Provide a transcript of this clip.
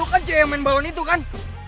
nah lo kan cewek main bawang itu kan